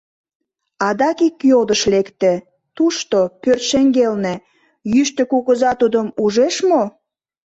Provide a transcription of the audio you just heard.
Адак ик йодыш лекте: тушто, пӧрт шеҥгелне, Йӱштӧ Кугыза тудым ужеш мо?..